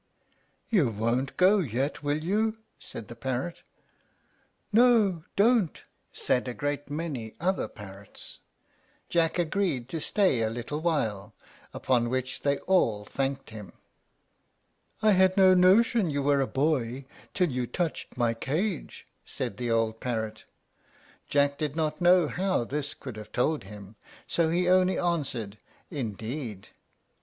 "You won't go yet, will you?" said the parrot. "No, don't," said a great many other parrots. Jack agreed to stay a little while, upon which they all thanked him. "I had no notion you were a boy till you touched my cage," said the old parrot. Jack did not know how this could have told him, so he only answered, "Indeed!"